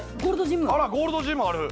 あらゴールドジムある。